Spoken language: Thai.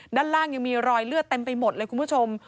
ด้านล่างยังมีรอยเลือดเต็มไปหมดเลยคุณผู้ชม